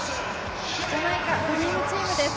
ジャマイカ、ドリームチームです。